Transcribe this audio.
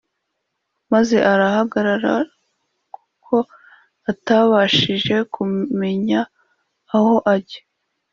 Maze arahagarara kuko atabashije kumenya aho ajya